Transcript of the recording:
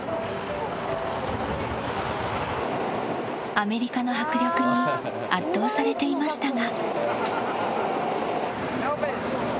アメリカの迫力に圧倒されていましたが。